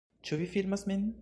Ĉu vi filmas min?